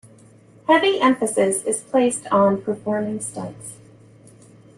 Heavy emphasis is placed on performing stunts.